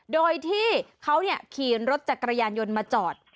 โดยที่เขาขี่รถจักรยานยนต์มาจอด